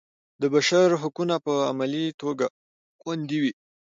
د بشر حقونه په عملي توګه خوندي وي.